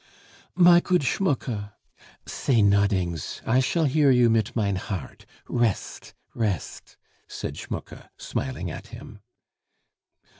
"My good Schmucke " "Say nodings; I shall hear you mit mein heart... rest, rest!" said Schmucke, smiling at him.